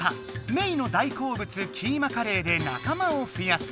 メイの大こうぶつキーマカレーで仲間を増やす。